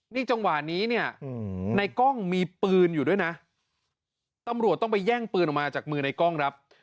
นี่จังหวะนี้เนี่ยในกล้องมีปืนอยู่ด้วยนะตำรวจต้องไปแย่งปืนออกมาจากมือในกล้องครับ